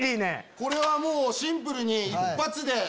これはもうシンプルに。